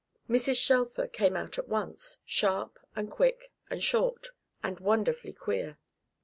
Mrs. Shelfer came out at once, sharp and quick and short, and wonderfully queer.